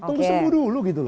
tunggu sembuh dulu gitu loh